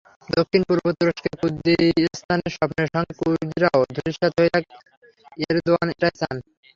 দক্ষিণ-পূর্ব তুরস্কে কুর্দিস্তানের স্বপ্নের সঙ্গে কুর্দিরাও ধূলিসাৎ হয়ে যাক, এরদোয়ান এটাই চান।